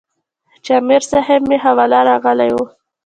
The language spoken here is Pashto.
چې امير صېب مې خواله راغلے وۀ -